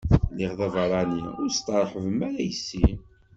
Lliɣ d abeṛṛani, ur testeṛḥbem ara yes-i.